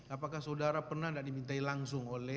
apakah saudara pernah tidak dimintai langsung oleh